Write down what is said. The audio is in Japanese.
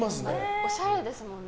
おしゃれですもんね。